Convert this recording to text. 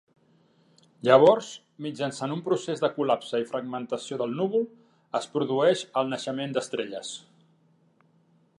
Llavors, mitjançant un procés de col·lapse i fragmentació del núvol, es produeix el naixement d'estrelles.